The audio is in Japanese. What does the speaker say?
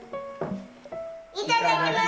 いただきます！